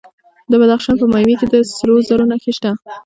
د بدخشان په مایمي کې د سرو زرو نښې شته.